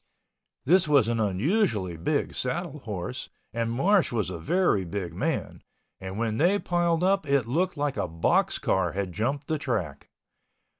This was an unusually big saddle horse and Marsh was a very big man, and when they piled up it looked like a box car had jumped the track.